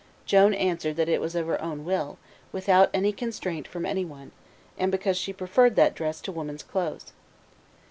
Joan answered that it was of her own will, without any constraint from any one, and because she preferred that dress to woman's clothes.